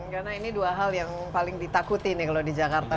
karena ini dua hal yang paling ditakuti nih kalau di jakarta